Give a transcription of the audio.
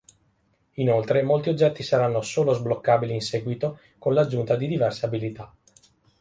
Inoltre, molti oggetti saranno solo sbloccabili in seguito con l'aggiunta di diverse abilità.